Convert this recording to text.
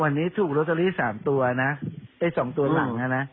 วันนี้ถูกโรตอรีสามตัวน่ะเอ้ยสองตัวหลังน่ะน่ะ